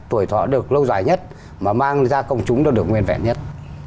tuổi thọ được lâu dài nhất mà mang ra công chúng nó được nguyên vẹn nhất